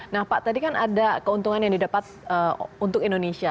nah pak tadi kan ada keuntungan yang didapat untuk indonesia